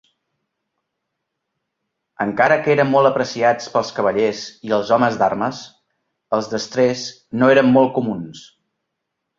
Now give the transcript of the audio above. Encara que eren molt apreciats pels cavallers i els homes d'armes, els destrers no eren molt comuns.